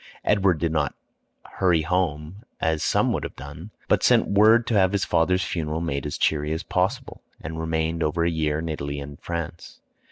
Edward did not hurry home as some would have done, but sent word to have his father's funeral made as cheery as possible, and remained over a year in Italy and France.